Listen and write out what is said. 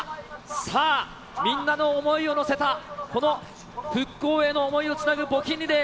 さあ、みんなの想いを乗せたこの復興への想いをつなぐ募金リレー。